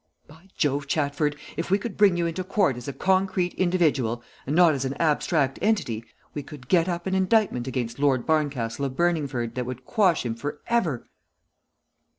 By Jove, Chatford, if we could bring you into Court as a concrete individual, and not as an abstract entity, we could get up an indictment against Lord Barncastle of Burningford that would quash him for ever.